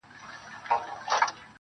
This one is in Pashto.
په تدبيرونو کي دې هر وختې تقدير ورک دی~